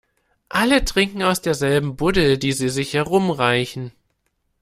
Alle trinken aus derselben Buddel, die sie sich herumreichen.